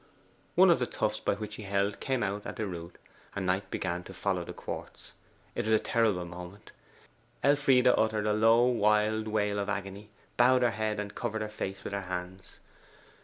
One of the tufts by which he held came out at the root, and Knight began to follow the quartz. It was a terrible moment. Elfride uttered a low wild wail of agony, bowed her head, and covered her face with her hands.